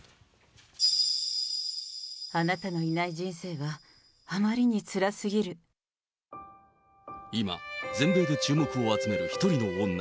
あなたのいない人生はあまり今、全米で注目を集める１人の女。